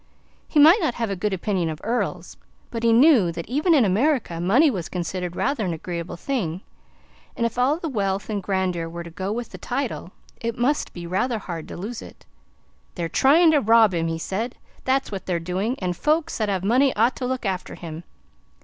He might not have a good opinion of earls, but he knew that even in America money was considered rather an agreeable thing, and if all the wealth and grandeur were to go with the title, it must be rather hard to lose it. "They're trying to rob him!" he said, "that's what they're doing, and folks that have money ought to look after him."